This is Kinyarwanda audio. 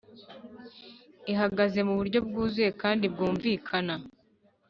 Ihagaze mu buryo bwuzuye kandi bwumvikana